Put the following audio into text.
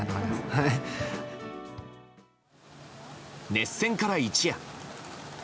熱戦から一夜。